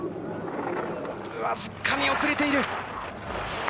僅かに遅れている。